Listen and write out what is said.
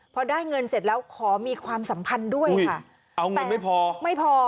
พอได้เงินเสร็จแล้วขอมีความสัมพันธ์ด้วยค่ะเอาเงินไม่พอไม่พอ